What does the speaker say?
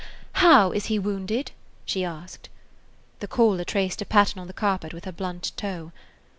"How is he wounded?" she asked. The caller traced a pattern on the carpet with her blunt toe.